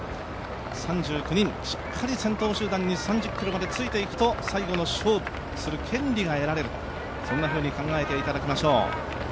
３９人、しっかり先頭集団についていくと最後の勝負をする権利が得られる、そんなふうに考えていただきましょう。